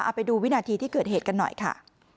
เอาไปดูวินาทีที่เกิดเหตุกันหน่อยค่ะ